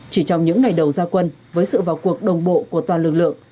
chỉ trong những ngày đầu gia quân với sự vào cuộc đồng bộ của toàn lực lượng